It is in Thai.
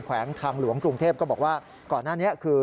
วงทางหลวงกรุงเทพก็บอกว่าก่อนหน้านี้คือ